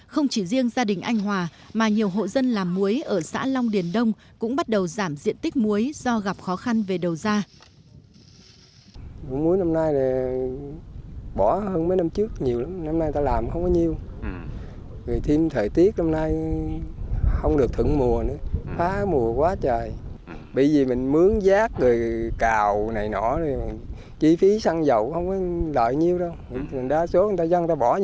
không chỉ riêng gia đình anh hòa mà nhiều hộ dân làm muối ở xã long điền đông cũng bắt đầu giảm diện tích muối do gặp khó khăn về đầu ra